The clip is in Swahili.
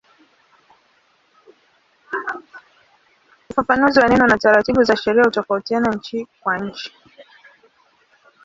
Ufafanuzi wa neno na taratibu za sheria hutofautiana nchi kwa nchi.